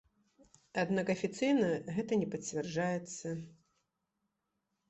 Аднак афіцыйна гэта не пацвярджаецца.